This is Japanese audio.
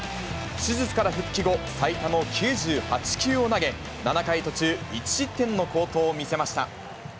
手術から復帰後、最多の９８球を投げ、７回途中、１失点の好投を見せました。